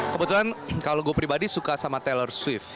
kebetulan kalau gue pribadi suka sama teller swift